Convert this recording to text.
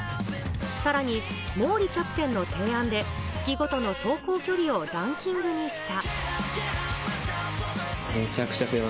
さらに毛利キャプテンの提案で、月ごとの走行距離をランキングにした。